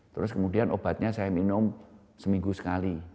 terus kemudian obatnya saya minum seminggu sekali